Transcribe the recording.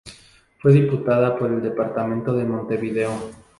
Fue diputada por el departamento de Montevideo.